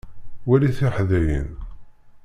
Wali tiḥdayin.